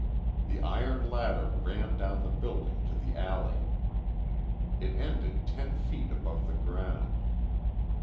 The iron ladder ran down the building to the alley. It ended ten feet above the ground.